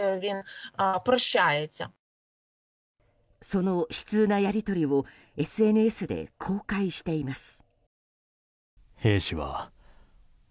その悲痛なやり取りをＳＮＳで公開しています。